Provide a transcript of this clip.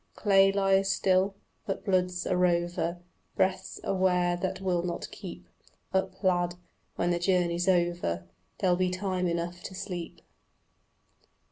Clay lies still, but blood's a rover; Breath's a ware that will not keep Up, lad: when the journey's over There'll be time enough to sleep.